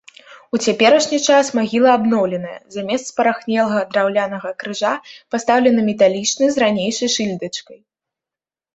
У цяперашні час магіла абноўленая, замест спарахнелага драўлянага крыжа пастаўлены металічны з ранейшай шыльдачкай.